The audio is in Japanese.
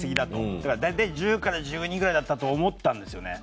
だから大体１０から１２ぐらいだったと思ったんですよね。